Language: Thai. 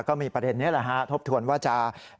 ก็มีประเด็นนี้แหละฮะทบทวนว่าจะ